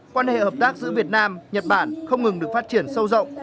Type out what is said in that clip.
quan hệ hợp tác giữa việt nam nhật bản không ngừng được phát triển sâu rộng